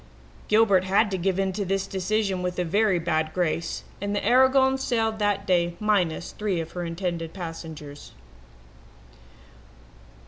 "Gilbert had to give in to this decision with a very bad grace, and the Aragon sailed that day minus three of her intended passengers.